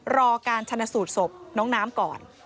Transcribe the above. รอการชนะสูตรศพน้องน้ำก่อน